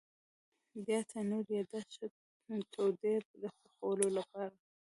بیا تنور یا داش ښه تودوي د پخولو لپاره.